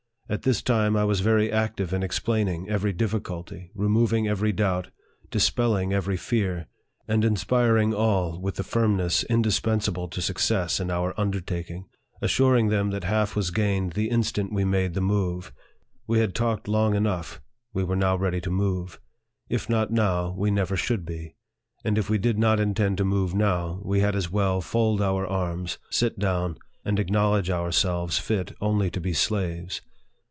At this time, I was very active in explaining every difficulty, remov ing every doubt, dispelling every fear, and inspiring all with the firmness indispensable to success in our un dertaking ; assuring them that half was gained the instant we made the move ; we had talked long enough ; we were now ready to move ; if not now, we never should be ; and if we did not intend to move now, we had as well fold our arms, sit down, and ac knowledge ourselves fit only to be slaves.